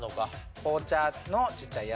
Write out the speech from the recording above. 紅茶のちっちゃい「や」